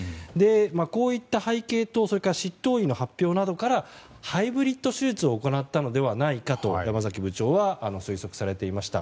こういった背景と執刀医の発表などからハイブリッド手術を行ったのではないかと山崎部長は推測されていました。